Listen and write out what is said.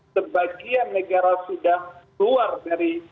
sebagian negara sudah keluar dari